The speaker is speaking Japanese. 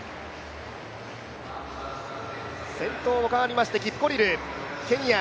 先頭が変わりましてキプコリル、ケニア。